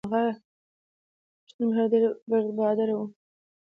هغه ﷺ رښتینی، مهربان او بردباره و.